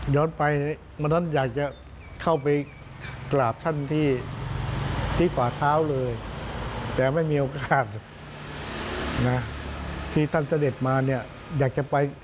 ย้อนไปมนุษย์อยากจะเข้าไปกราบท่านที่ขวาเท้าเลยแต่ไม่มีโอกาสที่ท่านเสด็จมาอยากจะไป